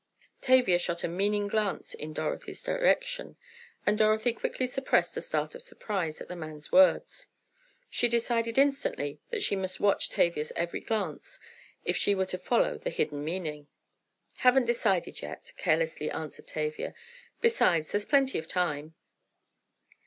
Tavia shot a meaning glance in Dorothy's direction and Dorothy quickly suppressed a start of surprise at the man's words. She decided instantly that she must watch Tavia's every glance, if she were to follow the hidden meaning. "Haven't decided yet," carelessly answered Tavia. "Besides, there's plenty of time."